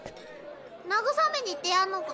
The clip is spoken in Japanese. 慰めに行ってやんのか？